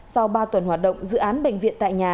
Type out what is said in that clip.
sau ba tuần hoạt động dự án bệnh viện tại nhà